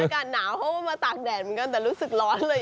อากาศหนาวเขาก็มาตากแดดเหมือนกันแต่รู้สึกร้อนเลย